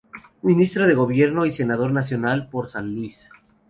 Ministro de Gobierno y Senador Nacional por San Luis.